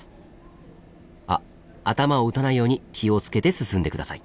あっ頭を打たないように気を付けて進んで下さい。